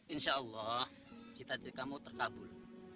insya allah cita cita kamu terkabul